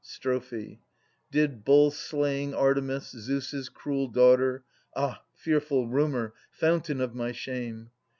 Strophe. Did bull slaying Artemis, Zeus' cruel daughter {Ah, fearful rumour, fountain of my shame